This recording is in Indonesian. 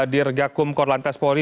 dir gakum korlantas poli